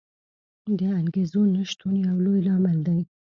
د انګېزو نه شتون یو لوی لامل دی.